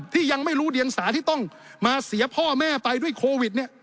ยังไม่รู้เดียงสาที่ต้องมาเสียพ่อแม่ไปด้วยโควิดเนี่ย